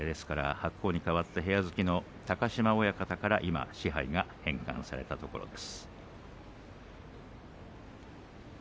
白鵬に代わって部屋付きの高島親方から今、賜盃が返還されたところです。